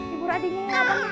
ibu adiknya ya abang